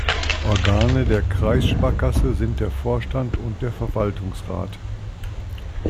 Organe der Kreissparkasse sind der Vorstand und der Verwaltungsrat.